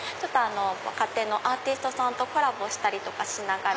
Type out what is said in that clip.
若手のアーティストさんとコラボしたりとかしながら。